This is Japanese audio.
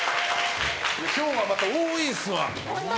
今日はまた、多いですわ。